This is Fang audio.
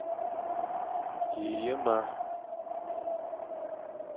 Dji ye ma.